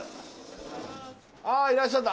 あいらっしゃった。